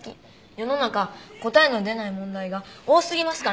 世の中答えの出ない問題が多すぎますからね。